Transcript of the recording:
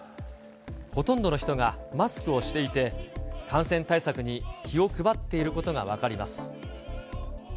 ほとんどの人がマスクをしていて、感染対策に気を配っていることが分かります。